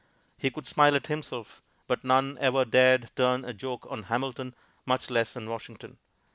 He could smile at himself; but none ever dared turn a joke on Hamilton, much less on Washington.